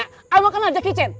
kamu kenal jacky chen